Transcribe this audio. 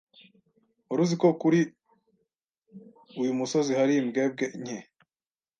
Wari uzi ko kuri uyu musozi hari imbwebwe nke?